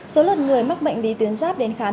số lượt người mắc bệnh đi tuyến giáp đến khám